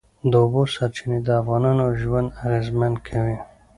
د اوبو سرچینې د افغانانو ژوند اغېزمن کوي.